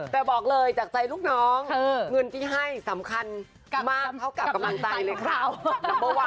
แต่บอกเลยจากใจลูกน้องเงินที่ให้สำคัญมากเท่ากับกำลังใจเลยครับ